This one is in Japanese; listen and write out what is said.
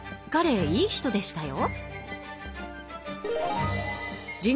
彼もいい人でしたよ。